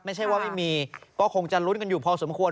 ไม่ใช่ว่าไม่มีก็คงจะลุ้นกันอยู่พอสมควร